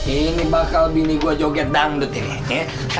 ini bakal bini gue joget dangdut ini ya